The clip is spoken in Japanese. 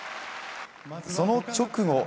その直後。